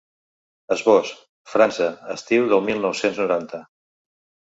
Esbós: França, estiu de mil nou-cents noranta.